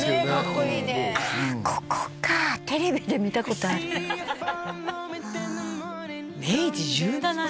ここかテレビで見たことあるあ明治１７年？